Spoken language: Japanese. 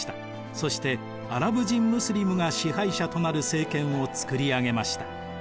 そしてアラブ人ムスリムが支配者となる政権を作り上げました。